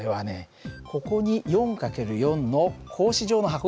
ここに４×４の格子状の箱があるだろ。